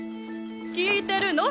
聞いてるの？